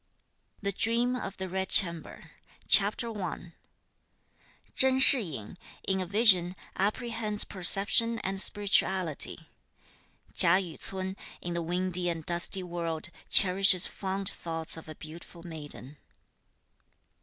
THE DREAM OF THE RED CHAMBER. CHAPTER I. Chen Shih yin, in a vision, apprehends perception and spirituality. Chia Yü ts'un, in the (windy and dusty) world, cherishes fond thoughts of a beautiful maiden.